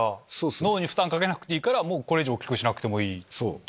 脳に負担かけなくていいからこれ以上大きくしなくてもいい。